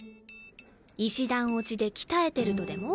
石段落ちで鍛えてるとでも？